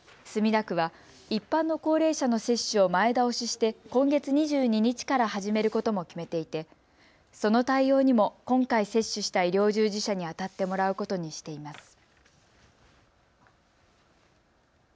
墨田区は一般の高齢者の接種を前倒しして今月２２日から始めることも決めていてその対応にも今回接種した医療従事者にあたってもらうことにしています。